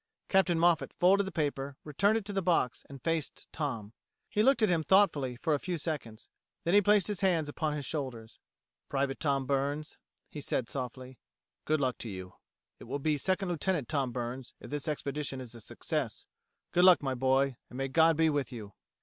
Captain Moffat folded the paper, returned it to the box, and faced Tom. He looked at him thoughtfully for a few seconds; then placed his hands upon his shoulders. "Private Tom Burns," he said softly. "Good luck to you. It will be Second Lieutenant Tom Burns if this expedition is a success. Good luck, my boy, and may God be with you."